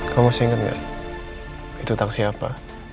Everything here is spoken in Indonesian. kamu masih inget gak itu taksi apa